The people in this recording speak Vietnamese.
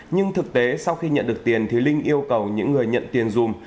nhưng thực tế sau khi nhận được tiền linh yêu cầu những người nhận tiền dùm